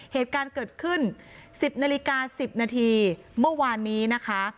เหตุการณ์เกิดขึ้น๑๐นาฬิกา๑๐นาทีเมื่อวานนี้นะคะ